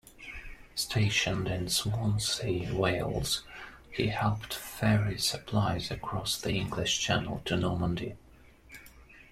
Stationed in Swansea, Wales, he helped ferry supplies across the English Channel to Normandy.